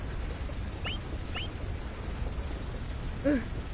うん！